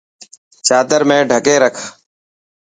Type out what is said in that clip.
چادر ۾ ڌڪي رک.